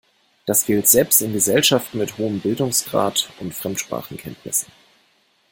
Das gilt selbst in Gesellschaften mit hohem Bildungsgrad und Fremdsprachenkenntnissen.